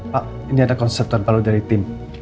pak ini ada konsep terbaru dari tim